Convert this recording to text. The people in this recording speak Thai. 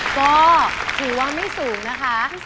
ก็ถือว่าไม่สูงนะคะ